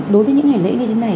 đối với những ngày lễ như thế này